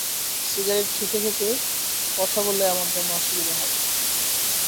Cigarette খেতে-খেতে কথা বললে আমার জন্যে সুবিধা হবে।